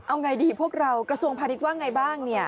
เอาอย่างไรดีพวกเรากระทรวงพลันติว่าอย่างไรบ้าง